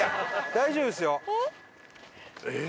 大丈夫ですよ。